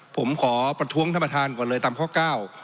ผมขอประท้วงท่านประธานก่อนเลยตามข้อเก้า